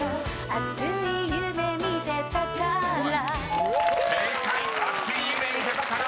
「熱い夢見てたから」］